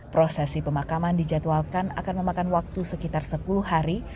prosesi pemakaman dijadwalkan akan memakan waktu sekitar sepuluh hari